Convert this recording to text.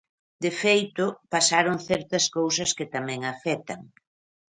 De feito, pasaron certas cousas que tamén afectan.